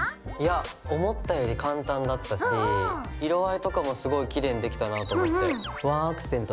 いや思ったより簡単だったし色合いとかもすごいきれいにできたなと思って。